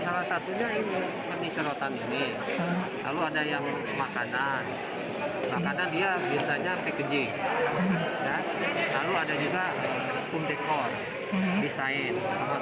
salah satunya ini seperti serotan ini lalu ada yang makanan makanan dia biasanya packaging lalu ada juga pun dekor desain